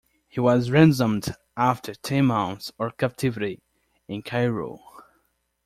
He was ransomed after ten months of captivity in Cairo.